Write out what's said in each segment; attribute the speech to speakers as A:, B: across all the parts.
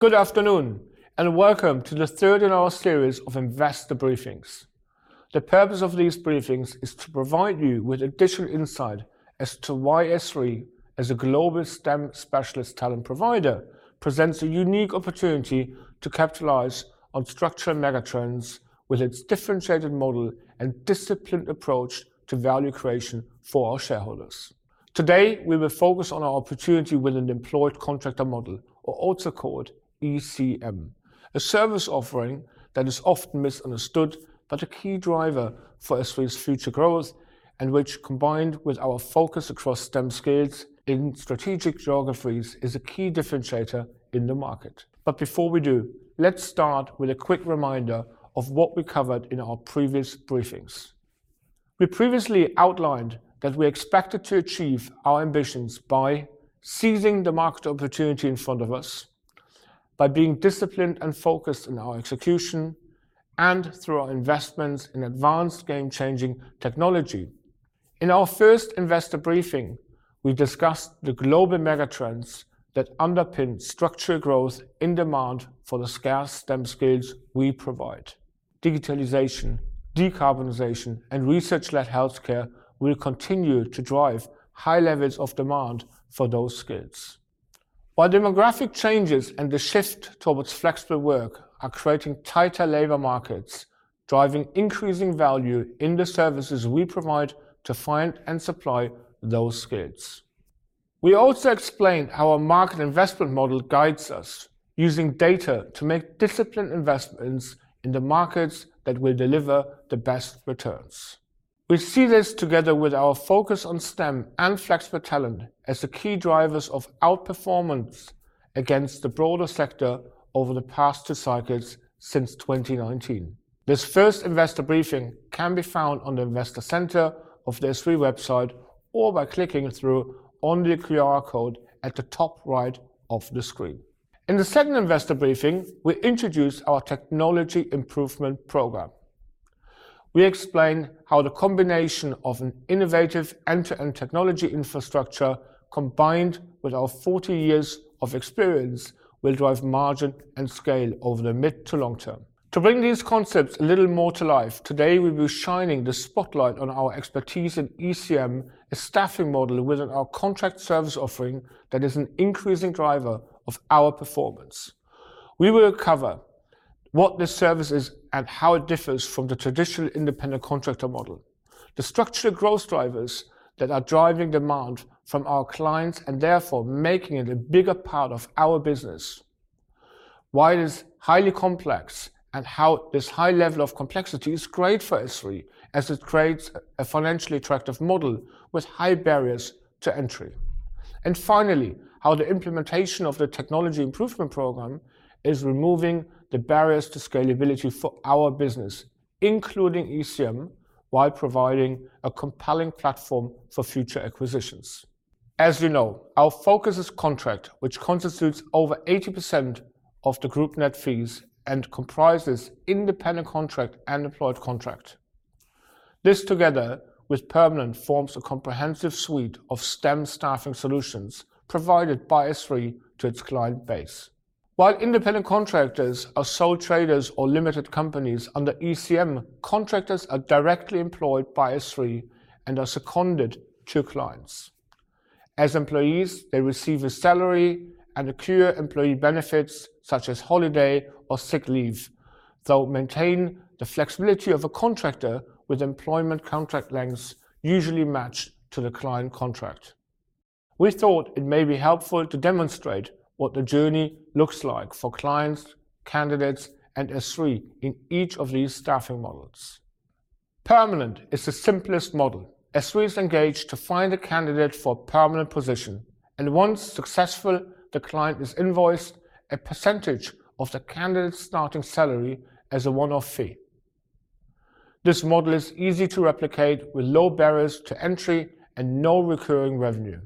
A: Good afternoon, and welcome to the third in our series of investor briefings. The purpose of these briefings is to provide you with additional insight as to why SThree, as a global STEM specialist talent provider, presents a unique opportunity to capitalize on structural megatrends with its differentiated model and disciplined approach to value creation for our shareholders. Today, we will focus on our opportunity with an employed contractor model, or also called ECM, a service offering that is often misunderstood, but a key driver for SThree's future growth, and which, combined with our focus across STEM skills in strategic geographies, is a key differentiator in the market. But before we do, let's start with a quick reminder of what we covered in our previous briefings. We previously outlined that we expected to achieve our ambitions by seizing the market opportunity in front of us, by being disciplined and focused in our execution, and through our investments in advanced game-changing technology. In our first investor briefing, we discussed the global megatrends that underpin structural growth in demand for the scarce STEM skills we provide. Digitalization, decarbonization, and research-led healthcare will continue to drive high levels of demand for those skills. While demographic changes and the shift towards flexible work are creating tighter labor markets, driving increasing value in the services we provide to find and supply those skills. We also explained how our market investment model guides us, using data to make disciplined investments in the markets that will deliver the best returns. We see this together with our focus on STEM and flexible talent as the key drivers of outperformance against the broader sector over the past two cycles since 2019. This first investor briefing can be found on the Investor Centre of the SThree website, or by clicking through on the QR code at the top right of the screen. In the second investor briefing, Technology Improvement Programme we explained how the combination of an innovative end-to-end technology infrastructure, combined with our 40 years of experience, will drive margin and scale over the mid to long term. To bring these concepts a little more to life, today, we'll be shining the spotlight on our expertise in ECM, a staffing model within our contract service offering that is an increasing driver of our performance. We will cover what this service is and how it differs from the traditional independent contractor model, the structural growth drivers that are driving demand from our clients and therefore making it a bigger part of our business, why it is highly complex, and how this high level of complexity is great for SThree, as it creates a financially attractive model with high barriers to entry. Finally, how the implementation of the Technology Improvement Programme is removing the barriers to scalability for our business, including ECM, while providing a compelling platform for future acquisitions. As you know, our focus is contract, which constitutes over 80% of the group net fees and comprises independent contract and employed contract. This, together with permanent, forms a comprehensive suite of STEM staffing solutions provided by SThree to its client base. While independent contractors are sole traders or limited companies, under ECM, contractors are directly employed by SThree and are seconded to clients. As employees, they receive a salary and accrue employee benefits, such as holiday or sick leave, though maintain the flexibility of a contractor with employment contract lengths usually matched to the client contract. We thought it may be helpful to demonstrate what the journey looks like for clients, candidates, and SThree in each of these staffing models. Permanent is the simplest model. SThree is engaged to find a candidate for a permanent position, and once successful, the client is invoiced a percentage of the candidate's starting salary as a one-off fee. This model is easy to replicate with low barriers to entry and no recurring revenue.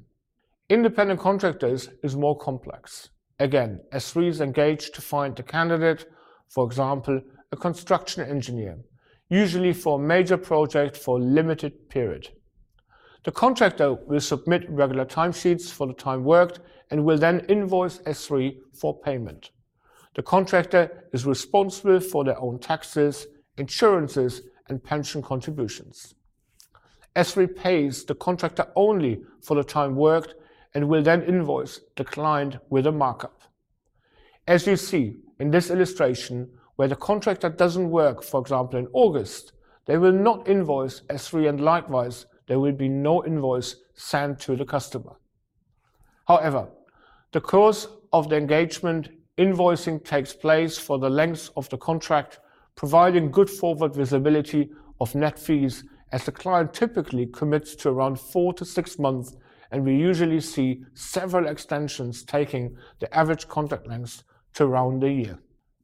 A: Independent contractors is more complex. Again, SThree is engaged to find a candidate, for example, a construction engineer, usually for a major project for a limited period. The contractor will submit regular timesheets for the time worked and will then invoice SThree for payment. The contractor is responsible for their own taxes, insurances, and pension contributions. SThree pays the contractor only for the time worked and will then invoice the client with a markup. As you see in this illustration, where the contractor doesn't work, for example, in August, they will not invoice SThree, and likewise, there will be no invoice sent to the customer. However, the course of the engagement invoicing takes place for the length of the contract, providing good forward visibility of net fees, as the client typically commits to around 4-6 months, and we usually see several extensions taking the average contract length to around a year.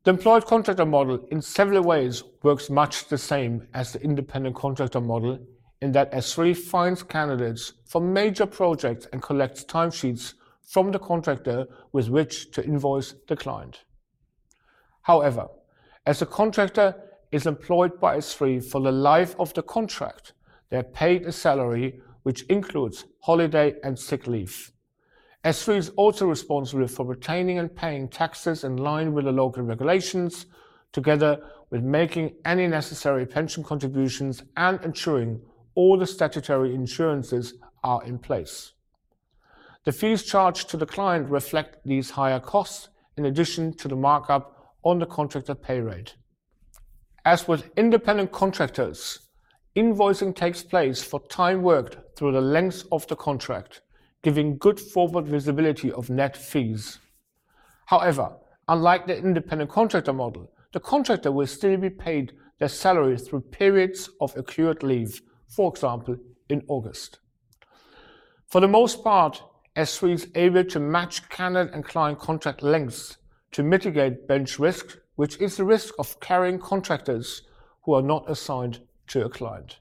A: The employed contractor model, in several ways, works much the same as the independent contractor model in that SThree finds candidates for major projects and collects timesheets from the contractor with which to invoice the client. However, as a contractor is employed by SThree for the life of the contract, they are paid a salary which includes holiday and sick leave. SThree is also responsible for retaining and paying taxes in line with the local regulations, together with making any necessary pension contributions and ensuring all the statutory insurances are in place. The fees charged to the client reflect these higher costs, in addition to the markup on the contractor pay rate. As with independent contractors, invoicing takes place for time worked through the length of the contract, giving good forward visibility of net fees. However, unlike the independent contractor model, the contractor will still be paid their salary through periods of accrued leave, for example, in August. For the most part, SThree is able to match candidate and client contract lengths to mitigate bench risk, which is the risk of carrying contractors who are not assigned to a client.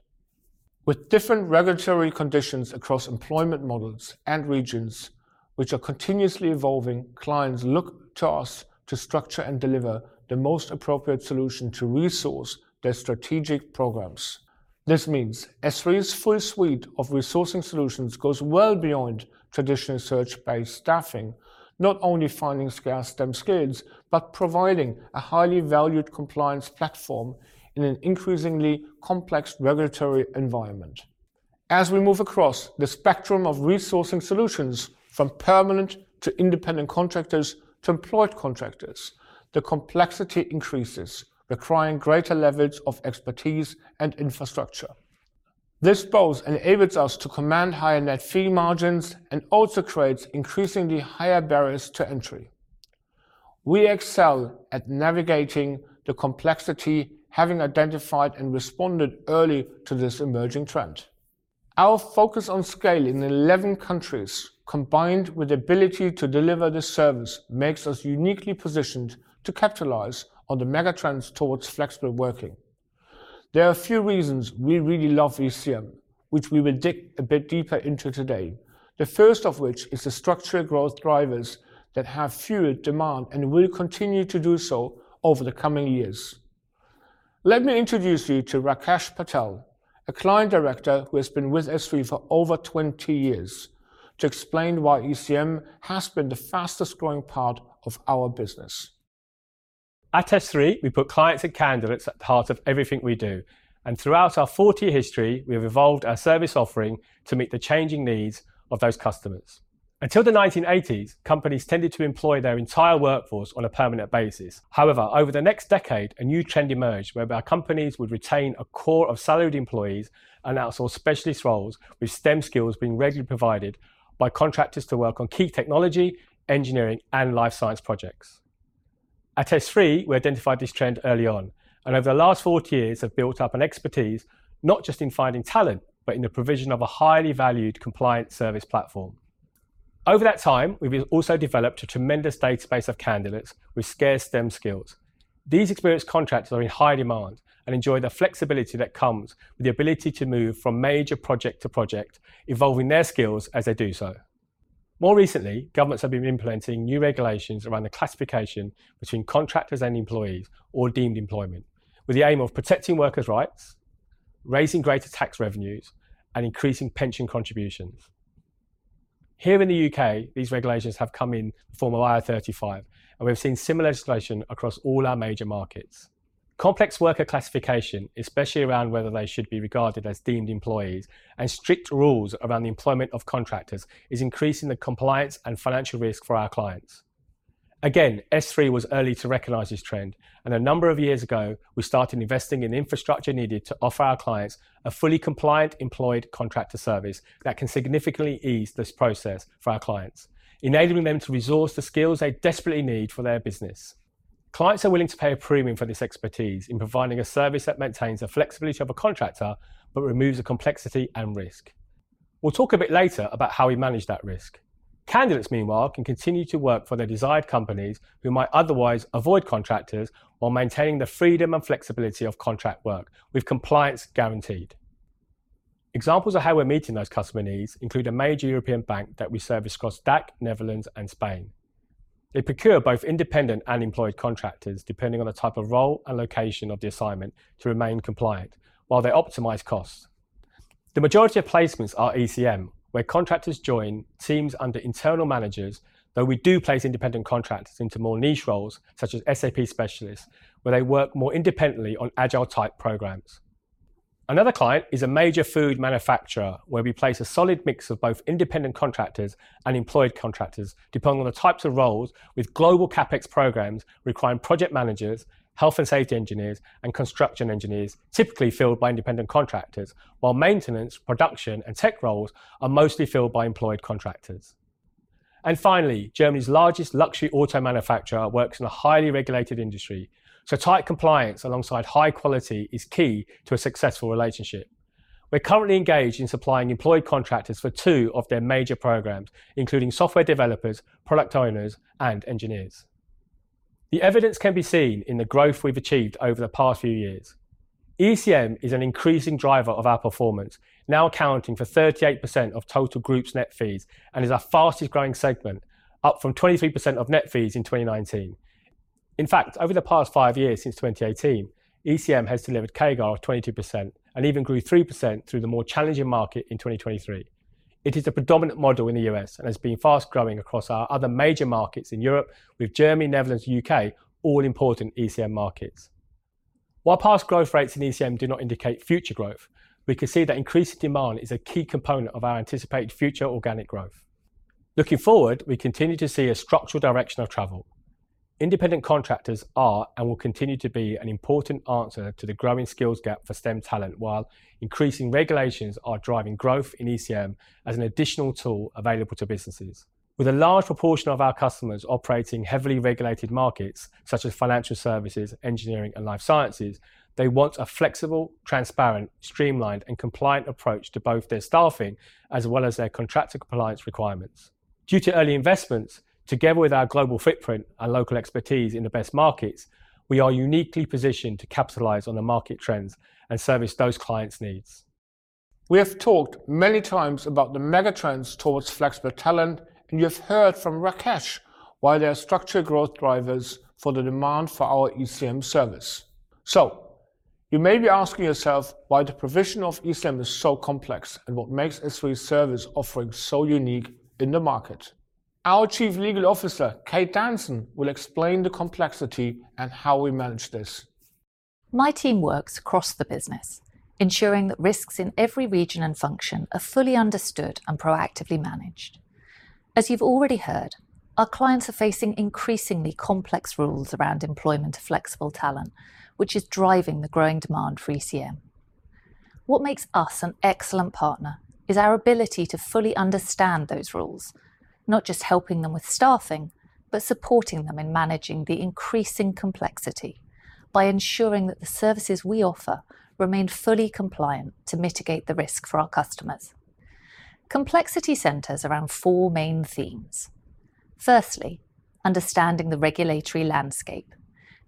A: With different regulatory conditions across employment models and regions, which are continuously evolving, clients look to us to structure and deliver the most appropriate solution to resource their strategic programs. This means SThree's full suite of resourcing solutions goes well beyond traditional search-based staffing, not only finding scarce STEM skills, but providing a highly valued compliance platform in an increasingly complex regulatory environment. As we move across the spectrum of resourcing solutions, from permanent to independent contractors to employed contractors, the complexity increases, requiring greater levels of expertise and infrastructure. This both enables us to command higher net fee margins and also creates increasingly higher barriers to entry. We excel at navigating the complexity, having identified and responded early to this emerging trend. Our focus on scale in 11 countries, combined with the ability to deliver this service, makes us uniquely positioned to capitalize on the megatrends towards flexible working. There are a few reasons we really love ECM, which we will dig a bit deeper into today. The first of which is the structural growth drivers that have fueled demand and will continue to do so over the coming years. Let me introduce you to Rakesh Patel, a client director who has been with SThree for over 20 years, to explain why ECM has been the fastest growing part of our business.
B: At SThree, we put clients and candidates at the heart of everything we do, and throughout our 40-year history, we have evolved our service offering to meet the changing needs of those customers. Until the 1980s, companies tended to employ their entire workforce on a permanent basis. However, over the next decade, a new trend emerged whereby companies would retain a core of salaried employees and outsource specialist roles, with STEM skills being regularly provided by contractors to work on key technology, engineering, and life science projects. At SThree, we identified this trend early on, and over the last 40 years have built up an expertise not just in finding talent, but in the provision of a highly valued compliance service platform. Over that time, we've also developed a tremendous database of candidates with scarce STEM skills. These experienced contractors are in high demand and enjoy the flexibility that comes with the ability to move from major project to project, evolving their skills as they do so. More recently, governments have been implementing new regulations around the classification between contractors and employees, or deemed employment, with the aim of protecting workers' rights, raising greater tax revenues, and increasing pension contributions. Here in the UK, these regulations have come in the form of IR35, and we've seen similar legislation across all our major markets. Complex worker classification, especially around whether they should be regarded as deemed employees, and strict rules around the employment of contractors, is increasing the compliance and financial risk for our clients. Again, SThree was early to recognize this trend, and a number of years ago, we started investing in the infrastructure needed to offer our clients a fully compliant employed contractor service that can significantly ease this process for our clients, enabling them to resource the skills they desperately need for their business. Clients are willing to pay a premium for this expertise in providing a service that maintains the flexibility of a contractor but removes the complexity and risk. We'll talk a bit later about how we manage that risk. Candidates, meanwhile, can continue to work for their desired companies who might otherwise avoid contractors while maintaining the freedom and flexibility of contract work with compliance guaranteed. Examples of how we're meeting those customer needs include a major European bank that we service across DACH, Netherlands, and Spain. They procure both independent and employed contractors, depending on the type of role and location of the assignment, to remain compliant while they optimize costs. The majority of placements are ECM, where contractors join teams under internal managers, though we do place independent contractors into more niche roles, such as SAP specialists, where they work more independently on Agile-type programs. Another client is a major food manufacturer, where we place a solid mix of both independent contractors and employed contractors, depending on the types of roles, with global CapEx programs requiring project managers, health and safety engineers, and construction engineers, typically filled by independent contractors, while maintenance, production, and tech roles are mostly filled by employed contractors. Finally, Germany's largest luxury auto manufacturer works in a highly regulated industry, so tight compliance alongside high quality is key to a successful relationship. We're currently engaged in supplying employed contractors for two of their major programs, including software developers, product owners, and engineers. The evidence can be seen in the growth we've achieved over the past few years. ECM is an increasing driver of our performance, now accounting for 38% of total group's net fees, and is our fastest growing segment, up from 23% of net fees in 2019. In fact, over the past 5 years, since 2018, ECM has delivered CAGR of 22%, and even grew 3% through the more challenging market in 2023. It is the predominant model in the U.S. and has been fast growing across our other major markets in Europe, with Germany, Netherlands, U.K., all important ECM markets. While past growth rates in ECM do not indicate future growth, we can see that increasing demand is a key component of our anticipated future organic growth. Looking forward, we continue to see a structural direction of travel. Independent contractors are, and will continue to be, an important answer to the growing skills gap for STEM talent, while increasing regulations are driving growth in ECM as an additional tool available to businesses. With a large proportion of our customers operating heavily regulated markets, such as financial services, engineering, and life sciences, they want a flexible, transparent, streamlined, and compliant approach to both their staffing as well as their contractor compliance requirements. Due to early investments, together with our global footprint and local expertise in the best markets, we are uniquely positioned to capitalize on the market trends and service those clients' needs. We have talked many times about the megatrends towards flexible talent, and you've heard from Rakesh why there are structural growth drivers for the demand for our ECM service. You may be asking yourself why the provision of ECM is so complex and what makes SThree's service offering so unique in the market. Our Chief Legal Officer, Kate Danson, will explain the complexity and how we manage this.
C: My team works across the business, ensuring that risks in every region and function are fully understood and proactively managed. As you've already heard, our clients are facing increasingly complex rules around employment of flexible talent, which is driving the growing demand for ECM. What makes us an excellent partner is our ability to fully understand those rules, not just helping them with staffing, but supporting them in managing the increasing complexity by ensuring that the services we offer remain fully compliant to mitigate the risk for our customers. Complexity centers around four main themes. Firstly, understanding the regulatory landscape.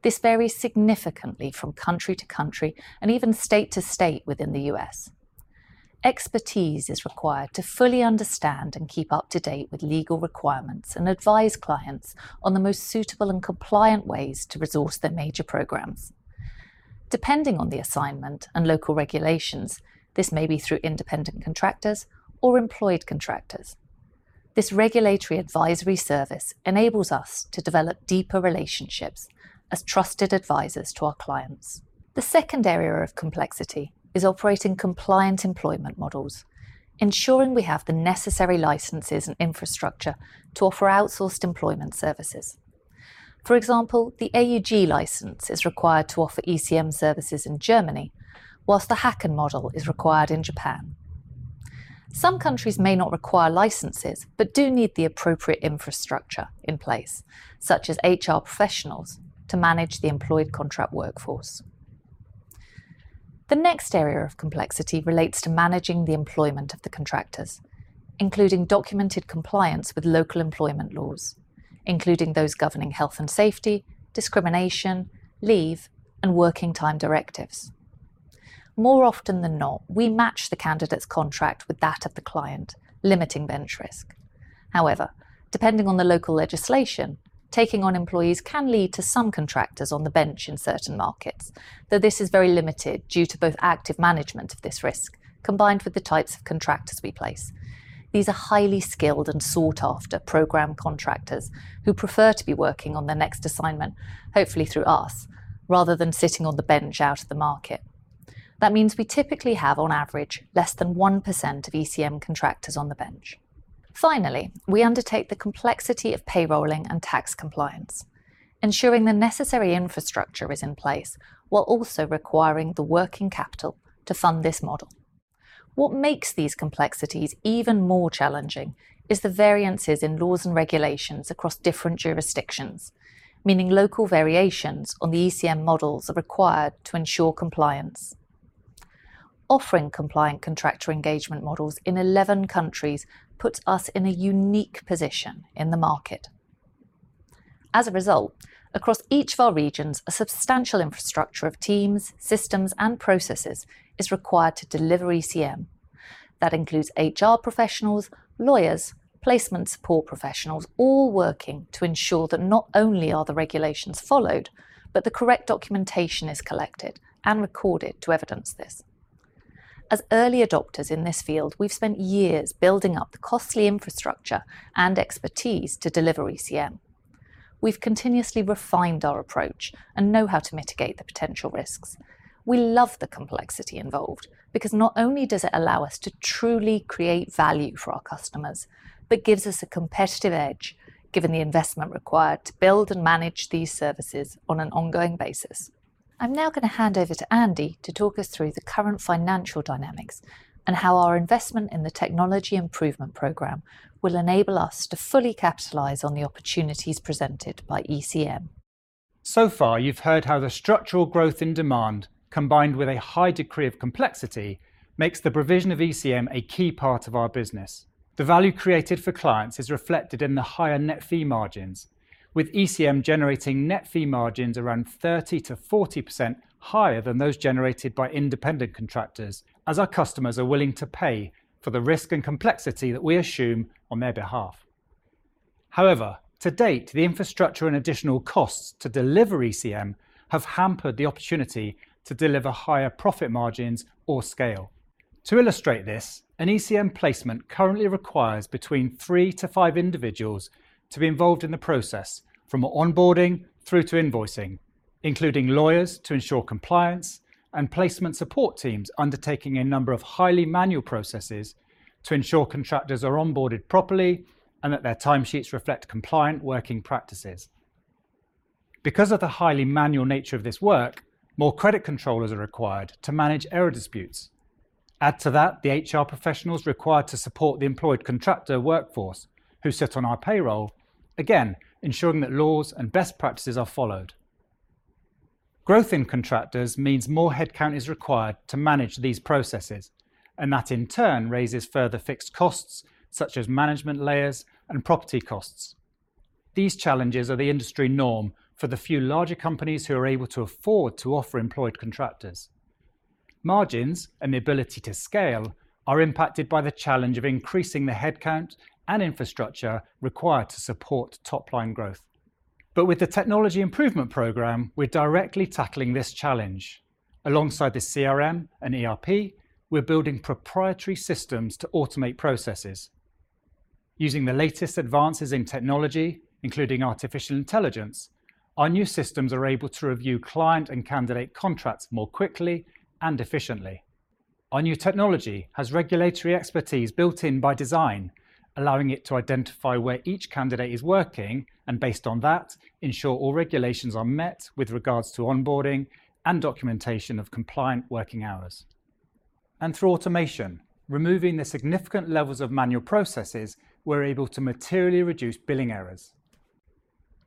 C: This varies significantly from country to country and even state to state within the U.S. Expertise is required to fully understand and keep up to date with legal requirements and advise clients on the most suitable and compliant ways to resource their major programs. Depending on the assignment and local regulations, this may be through independent contractors or employed contractors. This regulatory advisory service enables us to develop deeper relationships as trusted advisors to our clients. The second area of complexity is operating compliant employment models, ensuring we have the necessary licenses and infrastructure to offer outsourced employment services. For example, the AÜG license is required to offer ECM services in Germany, while the Haken model is required in Japan. Some countries may not require licenses, but do need the appropriate infrastructure in place, such as HR professionals, to manage the employed contract workforce. The next area of complexity relates to managing the employment of the contractors, including documented compliance with local employment laws, including those governing health and safety, discrimination, leave, and working time directives. More often than not, we match the candidate's contract with that of the client, limiting bench risk. However, depending on the local legislation, taking on employees can lead to some contractors on the bench in certain markets, though this is very limited due to both active management of this risk, combined with the types of contractors we place. These are highly skilled and sought-after program contractors who prefer to be working on their next assignment, hopefully through us, rather than sitting on the bench out of the market. That means we typically have, on average, less than 1% of ECM contractors on the bench. Finally, we undertake the complexity of payrolling and tax compliance, ensuring the necessary infrastructure is in place, while also requiring the working capital to fund this model. What makes these complexities even more challenging is the variances in laws and regulations across different jurisdictions, meaning local variations on the ECM models are required to ensure compliance. Offering compliant contractor engagement models in 11 countries puts us in a unique position in the market. As a result, across each of our regions, a substantial infrastructure of teams, systems, and processes is required to deliver ECM. That includes HR professionals, lawyers, placement support professionals, all working to ensure that not only are the regulations followed, but the correct documentation is collected and recorded to evidence this. As early adopters in this field, we've spent years building up the costly infrastructure and expertise to deliver ECM. We've continuously refined our approach and know how to mitigate the potential risks. We love the complexity involved, because not only does it allow us to truly create value for our customers, but gives us a competitive edge, given the investment required to build and manage these services on an ongoing basis. I'm now gonna hand over to Andy to talk us through the current financial dynamics and how our investment in the Technology Improvement Programme will enable us to fully capitalize on the opportunities presented by ECM.
D: So far, you've heard how the structural growth in demand, combined with a high degree of complexity, makes the provision of ECM a key part of our business. The value created for clients is reflected in the higher net fee margins, with ECM generating net fee margins around 30%-40% higher than those generated by independent contractors, as our customers are willing to pay for the risk and complexity that we assume on their behalf. However, to date, the infrastructure and additional costs to deliver ECM have hampered the opportunity to deliver higher profit margins or scale. To illustrate this, an ECM placement currently requires between 3-5 individuals to be involved in the process, from onboarding through to invoicing, including lawyers to ensure compliance and placement support teams undertaking a number of highly manual processes to ensure contractors are onboarded properly and that their timesheets reflect compliant working practices. Because of the highly manual nature of this work, more credit controllers are required to manage error disputes. Add to that, the HR professionals required to support the employed contractor workforce, who sit on our payroll, again, ensuring that laws and best practices are followed. Growth in contractors means more headcount is required to manage these processes, and that, in turn, raises further fixed costs, such as management layers and property costs. These challenges are the industry norm for the few larger companies who are able to afford to offer employed contractors. Margins and the ability to scale are impacted by the challenge of increasing the headcount and infrastructure required to support top-line growth. With the Technology Improvement Programme, we're directly tackling this challenge. Alongside the CRM and ERP, we're building proprietary systems to automate processes. Using the latest advances in technology, including artificial intelligence, our new systems are able to review client and candidate contracts more quickly and efficiently. Our new technology has regulatory expertise built in by design, allowing it to identify where each candidate is working, and based on that, ensure all regulations are met with regards to onboarding and documentation of compliant working hours. Through automation, removing the significant levels of manual processes, we're able to materially reduce billing errors.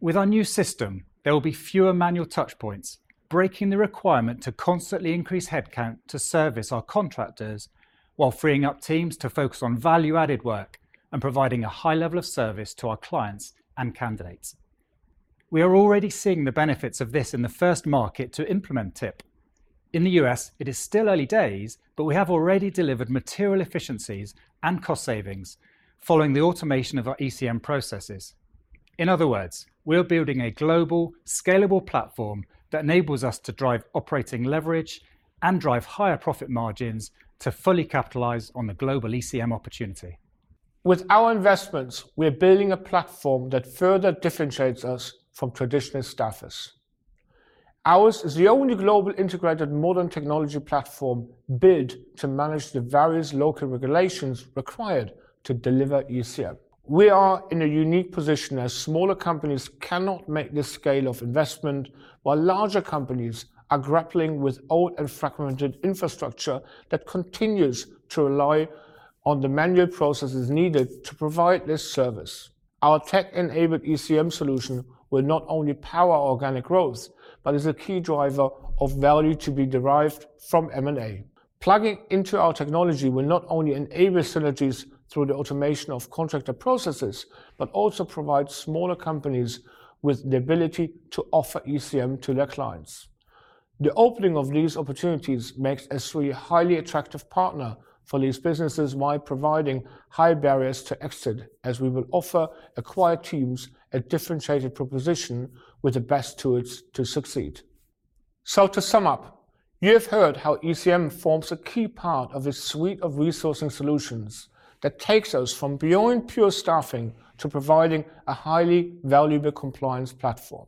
D: With our new system, there will be fewer manual touchpoints, breaking the requirement to constantly increase headcount to service our contractors, while freeing up teams to focus on value-added work and providing a high level of service to our clients and candidates. We are already seeing the benefits of this in the first market to implement TIP. In the U.S., it is still early days, but we have already delivered material efficiencies and cost savings following the automation of our ECM processes. In other words, we are building a global, scalable platform that enables us to drive operating leverage and drive higher profit margins to fully capitalize on the global ECM opportunity.
A: With our investments, we are building a platform that further differentiates us from traditional staffers. Ours is the only global integrated modern technology platform built to manage the various local regulations required to deliver ECM. We are in a unique position, as smaller companies cannot make this scale of investment, while larger companies are grappling with old and fragmented infrastructure that continues to rely on the manual processes needed to provide this service. Our tech-enabled ECM solution will not only power organic growth, but is a key driver of value to be derived from M&A. Plugging into our technology will not only enable synergies through the automation of contractor processes, but also provide smaller companies with the ability to offer ECM to their clients. The opening of these opportunities makes SThree a highly attractive partner for these businesses while providing high barriers to exit, as we will offer acquired teams a differentiated proposition with the best tools to succeed. To sum up, you have heard how ECM forms a key part of the suite of resourcing solutions that takes us from beyond pure staffing to providing a highly valuable compliance platform.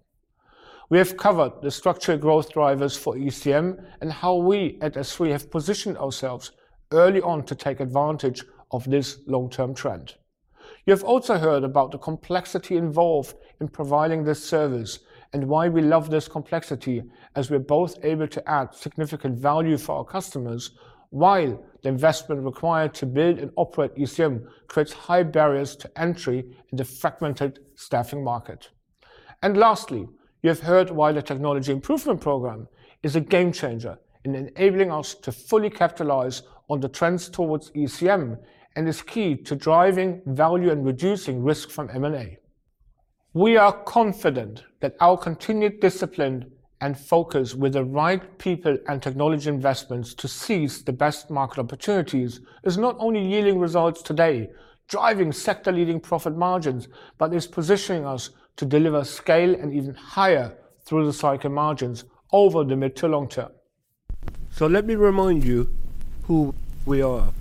A: We have covered the structural growth drivers for ECM and how we at SThree have positioned ourselves early on to take advantage of this long-term trend. You have also heard about the complexity involved in providing this service and why we love this complexity, as we're both able to add significant value for our customers, while the investment required to build and operate ECM creates high barriers to entry in the fragmented staffing market. And lastly, you have heard why the Technology Improvement Programme is a game changer in enabling us to fully capitalize on the trends towards ECM and is key to driving value and reducing risk from M&A. We are confident that our continued discipline and focus with the right people and technology investments to seize the best market opportunities is not only yielding results today, driving sector-leading profit margins, but is positioning us to deliver scale and even higher through-the-cycle margins over the mid to long term. So let me remind you who we are.